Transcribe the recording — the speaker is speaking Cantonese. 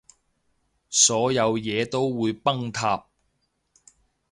所有嘢都會崩塌